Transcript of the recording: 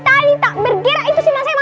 dan mereka berdua itu sama sama